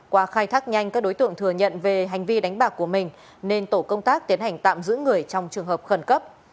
qua khai thác nhanh các đối tượng thừa nhận về hành vi đánh bạc của mình nên tổ công tác tiến hành tạm giữ người trong trường hợp khẩn cấp